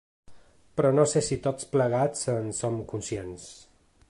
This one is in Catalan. Però no sé si tots plegats en som conscients.